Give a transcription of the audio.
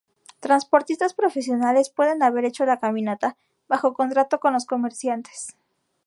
Transportistas profesionales pueden haber hecho la caminata, bajo contrato con los comerciantes.